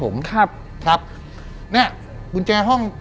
มาล่ะ